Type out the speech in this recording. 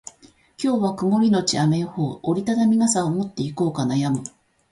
今日は曇りのち雨予報。折り畳み傘を持っていこうか悩む。